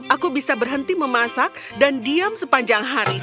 aku bisa berhenti memasak dan diam sepanjang hari